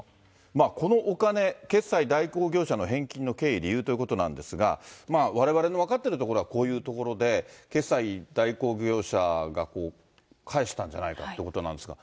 このお金、決済代行業者の返金の経緯、理由ということなんですが、われわれの分かっているところはこういうところで、決済代行業者が返したんじゃないかということなんですが。